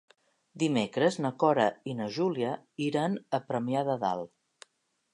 Dimecres na Cora i na Júlia iran a Premià de Dalt.